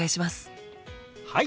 はい！